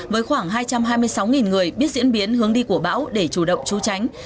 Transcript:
với khoảng hai trăm hai mươi sáu người biết diễn biến hướng đi của bão để chủ động tru tránh